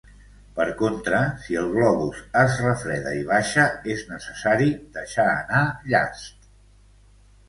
Per contra, si el globus es refreda i baixa, és necessari deixar anar llast.